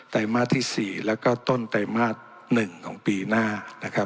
ไตรมาสที่๔และก็ต้นไตรมาส๑ของปีหน้า